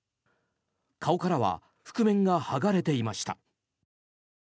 顔からは覆面が剥がれていました。